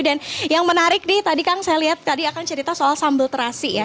dan yang menarik nih tadi kang saya lihat tadi akan cerita soal sambal terasi ya